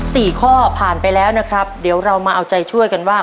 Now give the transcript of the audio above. สี่ข้อผ่านไปแล้วนะครับเดี๋ยวเรามาเอาใจช่วยกันว่า